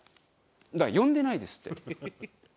だから呼んでないですって！